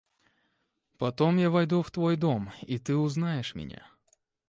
Потом я войду в твой дом и ты узнаешь меня.